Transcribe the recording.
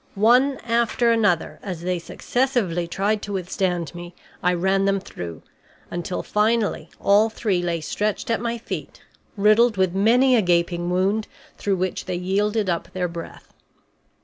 One after another, as they successively tried to withstand me, I ran them through, until finally all three lay stretched at my feet, riddled with many a gaping wound, through which they yielded up their breath.